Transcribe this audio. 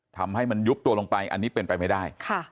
ทำให้มันยุบตัวลงไปอันนี้เป็นไปไม่ได้